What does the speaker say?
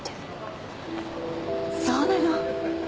そうなの。